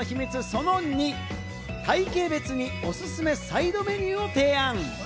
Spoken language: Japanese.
その２、体形別におすすめサイドメニューを提案。